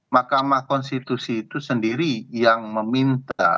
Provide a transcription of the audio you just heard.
mahkamah konstitusi itu sendiri yang meminta